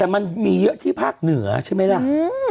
แต่มันมีเยอะที่ภาคเหนือใช่ไหมล่ะ